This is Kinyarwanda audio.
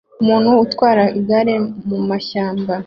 Umuntu utwara igare mumashyamba